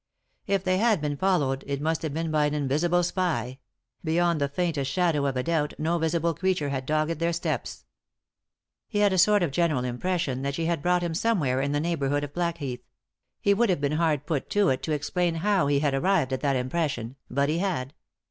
If they had been followed it must have been by an invisible spy ; beyond the faintest shadow of a doubt no visible creature had dogged their steps. He had a sort of general impression that she had brought him somewhere in the neighbourhood of Blackheath. He would have been hard put to it to explain bow he had arrived at that impression ; but he had.